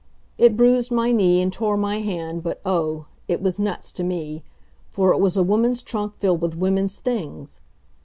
It bruised my knee and tore my hand, but oh! it was nuts to me. For it was a woman's trunk filled with women's things.